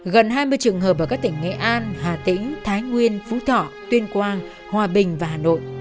gần hai mươi trường hợp ở các tỉnh nghệ an hà tĩnh thái nguyên phú thọ tuyên quang hòa bình và hà nội